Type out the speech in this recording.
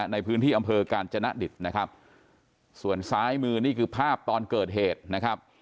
ในพื้นที่อำเภอกาญจนดิตนะครับส่วนซ้ายมือนี่คือภาพตอนเกิดเหตุนะครับ